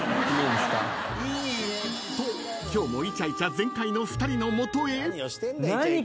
［と今日もイチャイチャ全開の２人の元へ］